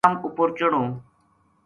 تم اپر چڑھوں‘‘